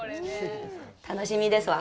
楽しみですわ。